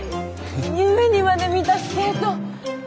夢にまでみたスケート！